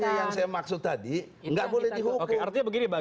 nah yang saya maksud tadi nggak boleh dihukum